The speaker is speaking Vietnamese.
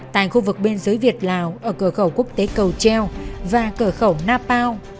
tại khu vực bên dưới việt lào ở cửa khẩu quốc tế cầu treo và cửa khẩu napao